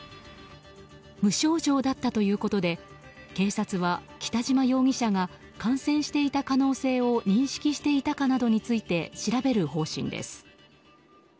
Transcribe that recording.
無症状だったということで警察は北島容疑者が感染していた可能性を認識していたかなどについて調べる方針です。